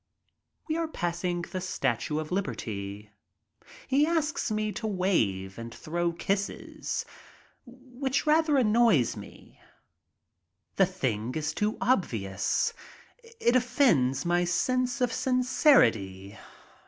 We are passing the Statue of Liberty. He asks me to wave and throw kisses, which rather annoys me. The thing is too obvious. It offends my sense of sincerity.